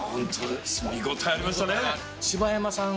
見応えありましたね！